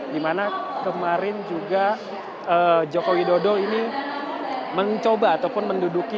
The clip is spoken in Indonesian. dimana kemarin juga joko widodo ini mencoba ataupun menduduki